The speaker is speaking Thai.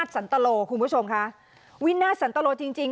สันตโลคุณผู้ชมค่ะวินาทสันตโลจริงจริง